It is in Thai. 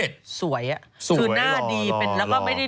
หล่อเป็นเยอะ